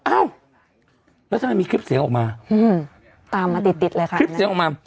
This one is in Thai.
อ้าวแล้วทำไมมีคลิปเสียงออกมาอืมตามมาติดติดเลยค่ะคลิปเสียงออกมา